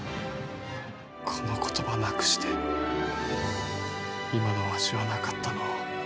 この言葉なくして今のわしはなかったのう。